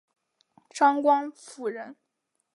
张光辅人。